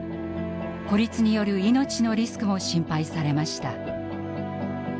孤立による命のリスクも心配されました。